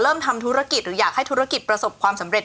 ทำธุรกิจหรืออยากให้ธุรกิจประสบความสำเร็จ